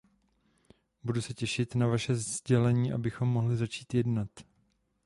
Budu se těšit na vaše sdělení, abchom mohli začít jednat.